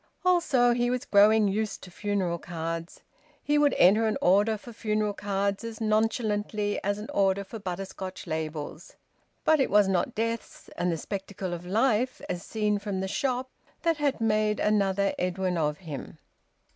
Also he was growing used to funeral cards. He would enter an order for funeral cards as nonchalantly as an order for butterscotch labels. But it was not deaths and the spectacle of life as seen from the shop that had made another Edwin of him.